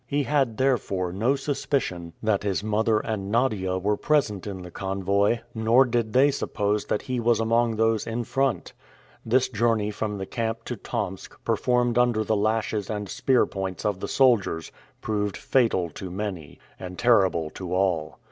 He had therefore no suspicion that his mother and Nadia were present in the convoy, nor did they suppose that he was among those in front. This journey from the camp to Tomsk, performed under the lashes and spear points of the soldiers, proved fatal to many, and terrible to all.